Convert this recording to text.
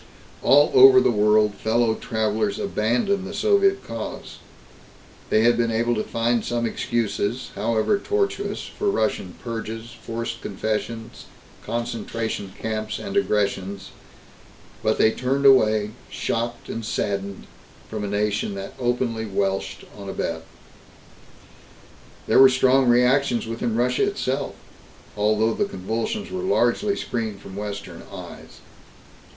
All over the world, fellow travelers abandoned the Soviet cause. They had been able to find some excuses, however tortuous, for Russian purges, forced confessions, concentration camps and aggressions, but they turned away, shocked and saddened, from a nation that openly welshed on a bet. There were strong reactions within Russia itself, although the convulsions were largely screened from Western eyes.